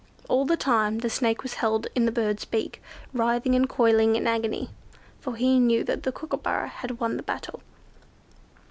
All the time the Snake was held in the bird's beak, writhing and coiling in agony; for he knew that the Kookooburra had won the battle.